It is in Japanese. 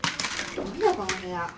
何だこの部屋。